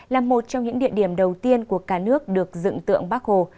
là một trong những địa điểm đầu tiên của cả nước được dựng tượng bắc hồ